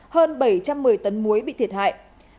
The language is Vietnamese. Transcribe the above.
hơn bảy trăm một mươi tấn muối bị thiệt hại